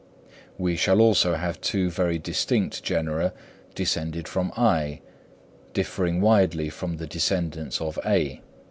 We shall also have two very distinct genera descended from (I), differing widely from the descendants of (A).